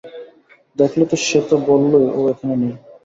দেখলে তো, সে তো বললই ও এখানে নেই।